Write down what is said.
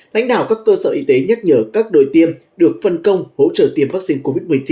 lãnh đạo các cơ sở y tế nhắc nhở các đôi tiêm được phân công hỗ trợ tiêm vaccine covid một mươi chín